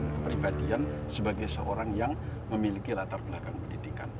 kepribadian sebagai seorang yang memiliki latar belakang pendidikan